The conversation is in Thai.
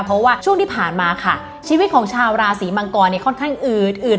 เพราะว่าช่วงที่ผ่านมาค่ะชีวิตของชาวราศีมังกรเนี่ยค่อนข้างอืดอืด